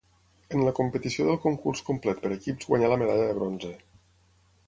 En la competició del concurs complet per equips guanyà la medalla de bronze.